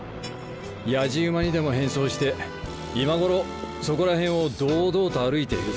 やじ馬にでも変装して今頃そこら辺を堂々と歩いているさ。